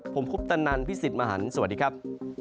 ผมคุปตนันพี่สิทธิ์มหันฯสวัสดีครับ